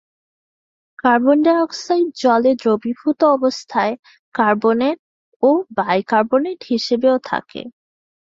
Carbon dioxide জলে দ্রবীভূত অবস্থায় কার্বনেট ও বাইকার্বনেট হিসেবেও থাকে।